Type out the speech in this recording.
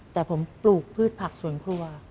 แต่ผมปลูกพืชผักสวนครัว